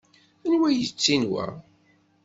Anwa ay yettin wa?